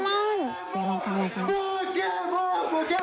เฮียลองฟังเลยฟัง